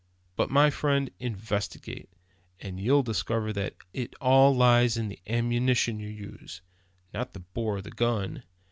But, my friend, investigate, and you'll discover that it all lies in the ammunition you use, not the bore of the gun.